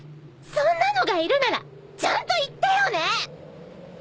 そんなのがいるならちゃんと言ってよね！